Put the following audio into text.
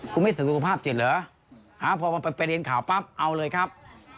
คุณไม่เสริมสุขภาพจิตเหรอพอมันเป็นประเด็นข่าวปั๊บเอาเลยครับ